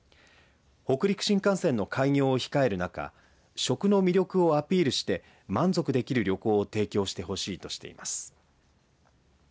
北陸新幹線の開業を控える中、食の魅力をアピールして満足できる旅行を提供してほしいとしています。